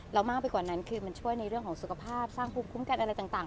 มากไปกว่านั้นคือมันช่วยในเรื่องของสุขภาพสร้างภูมิคุ้มกันอะไรต่าง